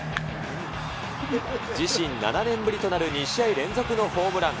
自身７年ぶりとなる２試合連続のホームラン。